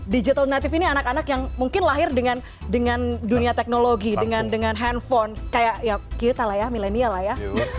digital native ini anak anak yang mungkin lahir dengan dunia teknologi dengan handphone kayak ya kita lah ya milenial lah ya